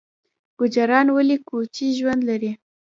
ګوجران ولې کوچي ژوند لري؟